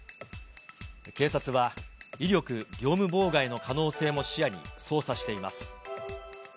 警察は威力業務妨害の可能性も視野に捜査しています。